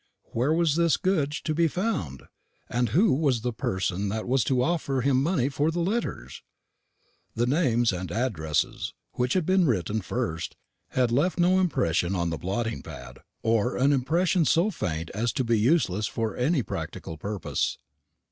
Where was this Goodge to be found? and who was the person that was to offer him money for the letters? The names and address, which had been written first, had left no impression on the blotting pad, or an impression so faint as to be useless for any practical purpose.